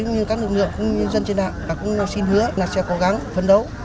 như các lực lượng nhân dân trên đảo và cũng xin hứa là sẽ cố gắng phấn đấu